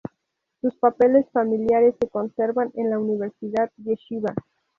Sus papeles familiares se conservan en la Universidad Yeshiva.